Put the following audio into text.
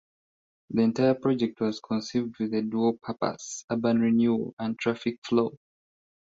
The entire project was conceived with a dual purpose: urban renewal and traffic flow.